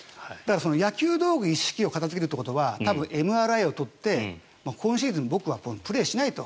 野球道具一式を片付けるということは多分ＭＲＩを撮って、今シーズン僕はプレーをしないと。